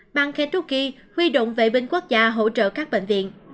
bang kentucky huy động vệ binh quốc gia hỗ trợ các bệnh viện